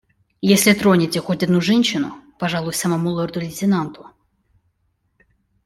Если тронете хоть одну женщину, пожалуюсь самому лорду-лейтенанту.